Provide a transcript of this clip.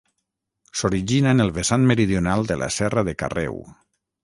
S'origina en el vessant meridional de la Serra de Carreu.